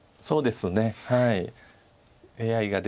そうですねはい。